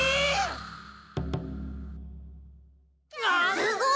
すごい！